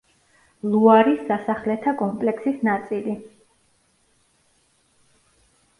ლუარის სასახლეთა კომპლექსის ნაწილი.